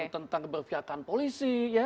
tentang berpihakan polisi